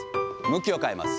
向きを変えます。